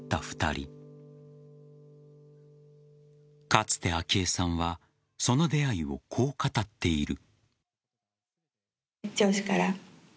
かつて、昭恵さんはその出会いをこう語っている。